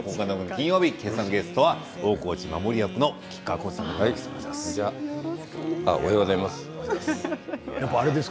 金曜日今朝のゲストは大河内守役の吉川晃司さんです。